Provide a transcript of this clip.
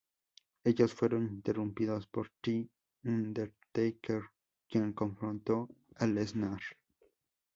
Ellos fueron interrumpidos por The Undertaker, quien confrontó a Lesnar.